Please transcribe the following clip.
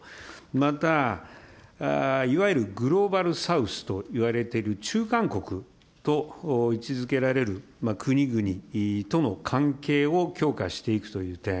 また、いわゆるグローバルサウスといわれている中間国と位置づけられる国々との関係を強化していくという点。